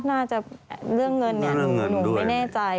เรื่องเงินเนี่ยหนูไม่แน่ใจ